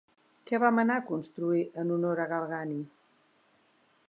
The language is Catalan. Què va manar construir en honor a Galgani?